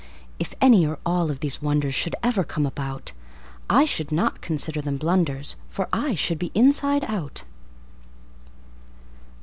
If any or all of these wondersShould ever come about,I should not consider them blunders, For I should be Inside out!